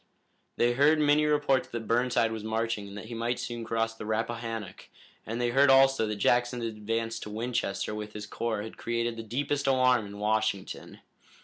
They heard many reports that Burnside was marching and that he might soon cross the Rappahannock, and they heard also that Jackson's advance to Winchester with his corps had created the deepest alarm in Washington.